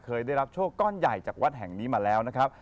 เคยได้รับโชคก้อนใหญ่จากวัดแห่งนี้มาแล้วนะครับ